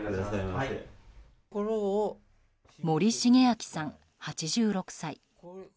森重昭さん、８６歳。